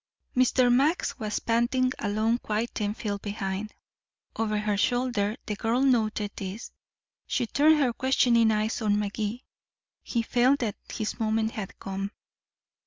Mr. Max was panting along quite ten feet behind. Over her shoulder the girl noted this; she turned her questioning eyes on Magee; he felt that his moment had come.